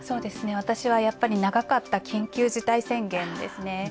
私はやっぱり長かった緊急事態宣言ですね。